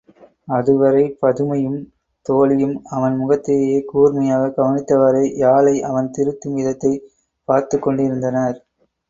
அதுவரை பதுமையும், தோழியும் அவன் முகத்தையே கூர்மையாகக் கவனித்தவாறே யாழை அவன் திருத்தும் விதத்தைப் பார்த்துக் கொண்டிருந்தனர்.